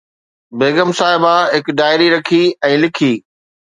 بيگم صاحبه هڪ ڊائري رکي ۽ لکي